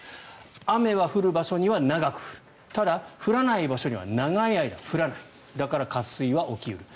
雨は降る場所には長く降るただ、降らない場所には長い間降らないだから、渇水は起き得ると。